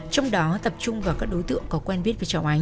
trong đó tập trung vào các đối tượng có quen biết với cháu ánh